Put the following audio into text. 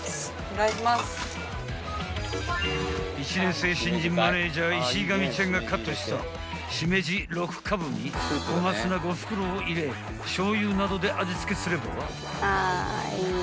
［１年生新人マネージャー石上ちゃんがカットしたしめじ６株に小松菜５袋を入れしょう油などで味付けすれば］